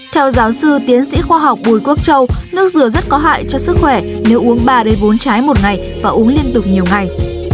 theo giáo sư tiến sĩ khoa học bùi quốc châu nước rửa rất có hại cho sức khỏe nếu uống ba bốn trái một ngày và uống liên tục nhiều ngày